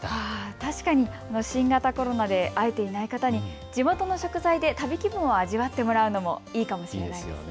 確かに新型コロナで会えていない方に地元の食材で旅気分を味わってもらうのもいいかもしれないですね。